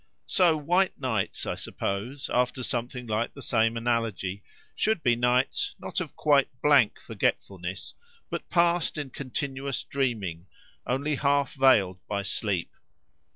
So, white nights, I suppose, after something like the same analogy, should be nights not of quite blank forgetfulness, but passed in continuous dreaming, only half veiled by sleep.